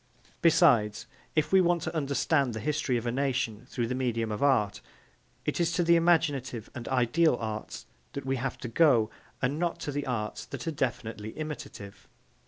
Besides, if we want to understand the history of a nation through the medium of art, it is to the imaginative and ideal arts that we have to go and not to the arts that are definitely imitative.